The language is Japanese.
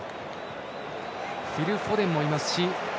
フィル・フォデンもいますし。